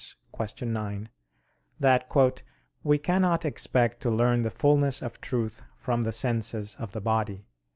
9) that "we cannot expect to learn the fulness of truth from the senses of the body."